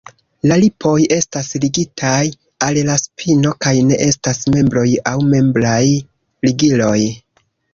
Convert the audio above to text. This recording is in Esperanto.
La ripoj estas ligitaj al la spino kaj ne estas membroj aŭ membraj ligiloj.